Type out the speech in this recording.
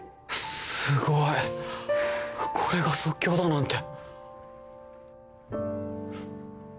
すごいこれが即興だなんて。